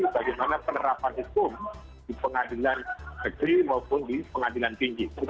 bagaimana penerapan hukum di pengadilan negeri maupun di pengadilan tinggi